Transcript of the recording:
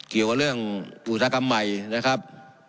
เกี่ยวกับเรื่องอุตสาหกรรมใหม่นะครับ